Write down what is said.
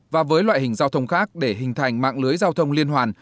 và với loại hình giao thông khác để hình thành mạng lưới giao thông liên hoàn